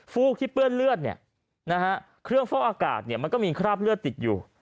ฟูกที่เปื้อนเลือดเนี่ยนะฮะเครื่องฟอกอากาศมันก็มีคราบเลือดติดอยู่